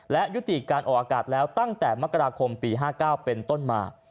และยุติการออกอากาศแล้วตั้งแต่มกราคมปี๕๙เป็นต้นมา